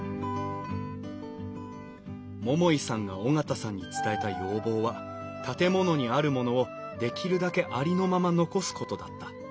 桃井さんが緒方さんに伝えた要望は建物にあるものをできるだけありのまま残すことだった。